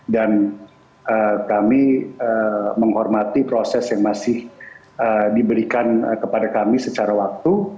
dan kami menghormati proses yang masih diberikan kepada kami secara waktu